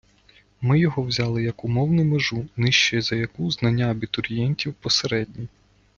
Ми його взяли як умовну межу, нижче за яку знання абітурієнтів посередні.